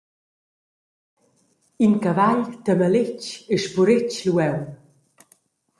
In cavagl temeletg e spuretg lu aunc.